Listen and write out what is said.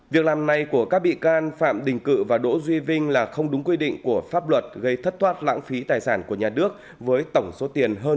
việc làm này của các bị can phạm bình cự và đỗ duy vinh là không đúng quy định của pháp luật gây thất thoát lãng phí tài sản của nhà nước với tổng số tiền hơn một mươi tỷ đồng